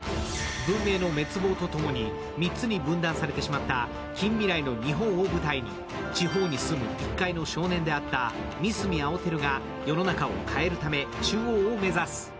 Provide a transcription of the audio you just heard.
文明の滅亡とともに３つに分断されてしまった近未来の日本を舞台に地方に住む一介の少年であった三角青輝が世の中を変えるため中央を目指す。